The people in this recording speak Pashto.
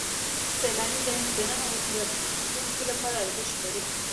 سیلاني ځایونه د نن او راتلونکي لپاره ارزښت لري.